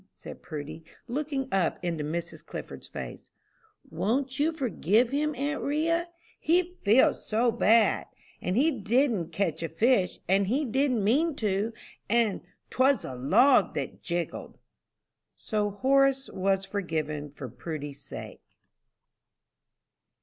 said Prudy, looking up into Mrs. Clifford's face; "won't you forgive him, aunt 'Ria? he feels so bad; and he didn't catch a fish, and he didn't mean to, and 'twas the log that jiggled." So Horace was forgiven for Prudy's sake.